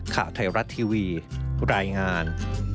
ข่าวไทยรัฐทีวีรายงาน